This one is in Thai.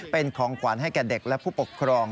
เป็นของขวัญให้แก่เด็กและผู้ปกครอง